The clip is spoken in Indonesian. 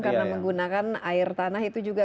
karena menggunakan air tanah itu juga